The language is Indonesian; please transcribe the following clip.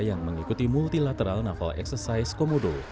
yang mengikuti multilateral naval exercise komodo